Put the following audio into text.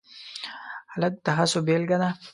هلک د هڅو بیلګه ده.